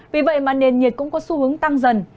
vì vậy mà nền nhiệt cũng có xu hướng tăng dần